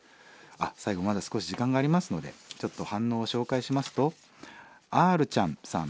最後まだ少し時間がありますのでちょっと反応を紹介しますとアールちゃんさん